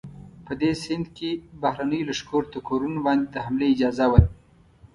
په دې سند کې بهرنیو لښکرو ته کورونو باندې د حملې اجازه وه.